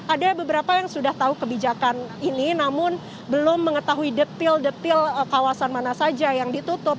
ada beberapa yang sudah tahu kebijakan ini namun belum mengetahui detil detil kawasan mana saja yang ditutup